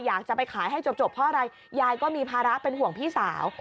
อยากจะไปขายให้จบเพราะอะไรยายก็มีภาระเป็นห่วงพี่สาว